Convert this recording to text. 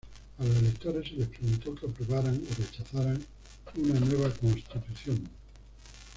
A los electores se les preguntó que aprobaran o rechazaran una nueva constitución.